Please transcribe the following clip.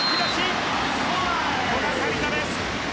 古賀紗理那です。